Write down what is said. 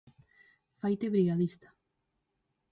"Faite brigadista!".